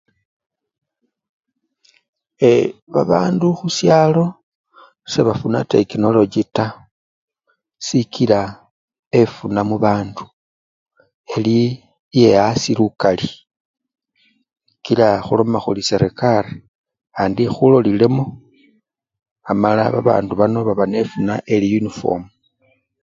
E! babandu khusyalo sebafuna tekinolochi taa kakila efuna mubandu eli ye-asii lukali kila khuloma khuli serekari andi ekhulolilemo amala babandu bano baba nefuna eli yunifomu.